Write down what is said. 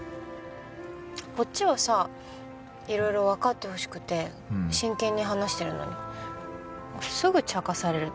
こっちはさいろいろわかってほしくて真剣に話してるのにすぐちゃかされるっていうか。